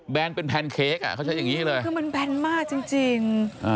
แนนเป็นแพนเค้กอ่ะเขาใช้อย่างนี้เลยคือมันแบนมากจริง